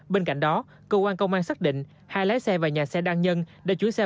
bên cạnh đó cơ quan công an xác định hai lái xe và nhà xe đăng nhân đã chú xe